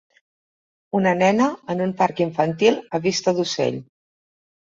Una nena en un parc infantil a vista d'ocell.